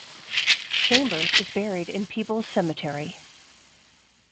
Chambers is buried in Peebles Cemetery.